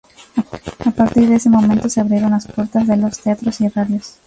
A partir de ese momento se abrieron las puertas de los teatros y radios.